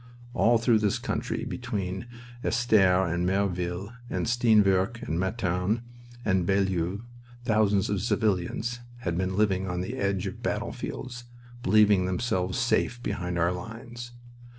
All through this country between Estaires and Merville, to Steenwerck, Metern, and Bailleul, thousands of civilians had been living on the edge of the battlefields, believing themselves safe behind our lines.